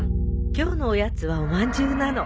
今日のおやつはおまんじゅうなの。